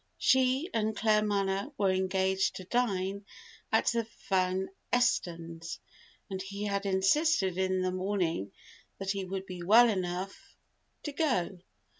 She and Claremanagh were engaged to dine at the Van Estens', and he had insisted in the morning that he would be well enough to go.